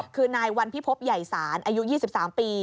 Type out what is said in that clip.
คือนายวันพิพบใหญ่ศาลอายุ๒๓ปี